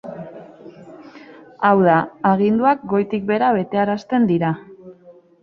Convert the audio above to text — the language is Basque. Hau da aginduak goitik bera betearazten dira.